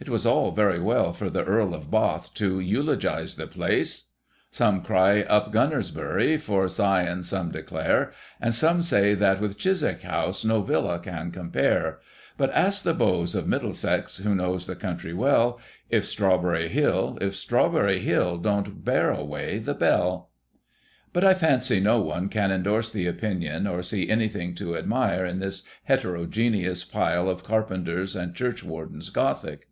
It was all very well for the Earl of Bath to eulogise the place, " Some cry up Gunnersbury, For Sion some declare, And some say that with Chiswick House No villa can compare ; But, ask the beaux of Middlesex, Who know the country well, If Strawberry Hill, if Strawberry Hill Don't bear away the bell." but I fancy no one can endorse the opinion, or see anything to admire in this heterogeneous pile of Carpenter's and Churchwarden's Gothic.